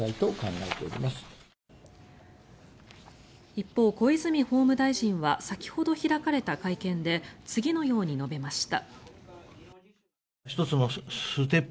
一方、小泉法務大臣は先ほど開かれた会見で次のように述べました。